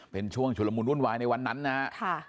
เป็นช่วงชุลมุนวุ่นวายในวันนั้นนะครับ